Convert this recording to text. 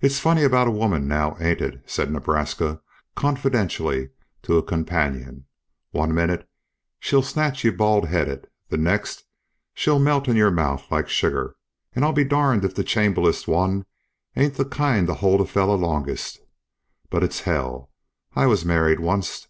"It's funny about a woman, now, ain't it?" said Nebraska, confidentially, to a companion. "One minnit she'll snatch you bald headed; the next, she'll melt in your mouth like sugar. An' I'll be darned if the changeablest one ain't the kind to hold a feller longest. But it's h l. I was married onct.